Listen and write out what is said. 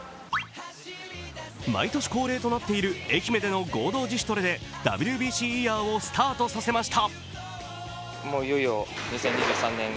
毎年恒例となっている愛媛での合同自主トレでＷＢＣイヤーをスタートさせました。